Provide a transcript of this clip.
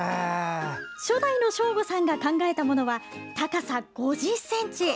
初代の昭吾さんが考えたものは高さ５０ｃｍ。